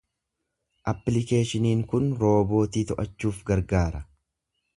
Appiliikeeshiniin kun roobootii to'achuuf gargaara.